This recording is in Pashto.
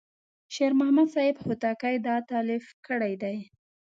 شیر محمد صاحب هوتکی دا تألیف کړی دی.